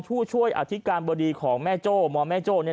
ผู้ช่วยอธิการบดีของแม่โจ้มแม่โจ้